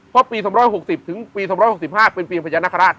เพราะปี๒๖๐๑๖๕เป็นปีพญานคราช